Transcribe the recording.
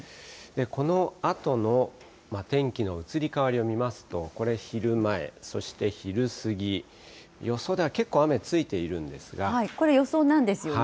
このあとの天気の移り変わりを見ますと、これ、昼前、そして昼過ぎ、これ、予想なんですよね。